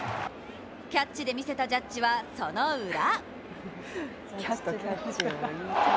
キャッチで見せたジャッジは、そのウラ。